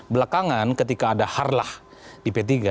belakangan ketika ada harlah di p tiga